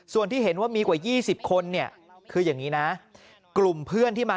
ส่วนที่เห็นว่ามีกว่า๒๐คนเนี่ยคืออย่างนี้นะกลุ่มเพื่อนที่มา